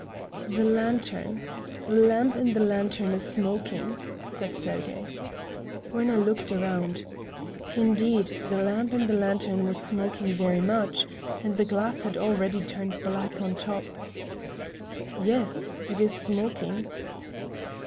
"The lantern. The lamp in the lantern is smoking," said Sergey. Werner looked around. Indeed, the lamp in the lantern was smoking very much, and the glass had already turned black on top. "Yes, it is smoking."